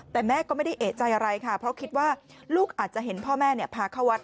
แต่แม่ก็ไม่ได้เอกใจอะไรค่ะเพราะคิดว่าลูกอาจจะเห็นพ่อแม่พาเข้าวัด